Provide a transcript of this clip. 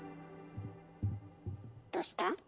どうした？